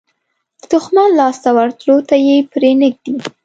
د دښمن لاس ته ورتلو ته یې پرې نه ږدي.